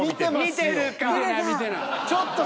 見てるか。